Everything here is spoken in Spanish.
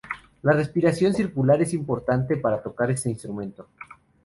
La respiración circular es importante para tocar este instrumento.